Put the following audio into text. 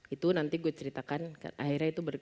itu nanti gue ceritakan akhirnya itu